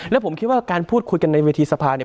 แล้วผมคิดว่าการพูดคุยกันในเวทีสภาเนี่ย